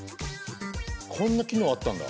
こんな機能あったんだ。